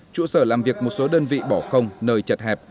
trụ sở làm việc một số đơn vị bỏ không nơi chật hẹp